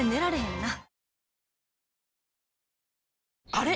あれ？